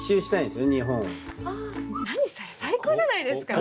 何それ最高じゃないですか！